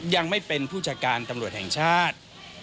ยังไม่เป็นผู้จัดการตำรวจแห่งชาติ